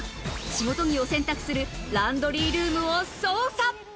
仕事着を洗濯するランドリールームを捜査。